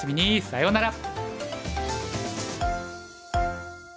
さようなら！